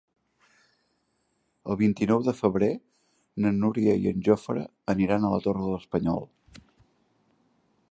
El vint-i-nou de febrer na Núria i en Jofre aniran a la Torre de l'Espanyol.